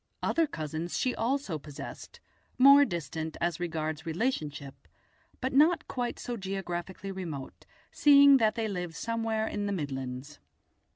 Other cousins she also possessed, more distant as regards relationship, but not quite so geographically remote, seeing that they lived somewhere in the Midlands.